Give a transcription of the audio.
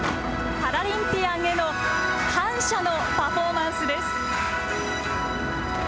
パラリンピアンへの感謝のパフォーマンスです。